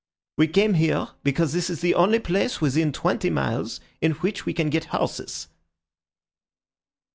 We came here because this is the only place within twenty miles in which we can get horses."